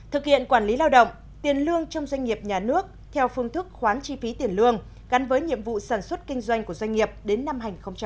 thực hiện quản lý lao động tiền lương trong doanh nghiệp nhà nước theo phương thức khoán chi phí tiền lương gắn với nhiệm vụ sản xuất kinh doanh của doanh nghiệp đến năm hai nghìn ba mươi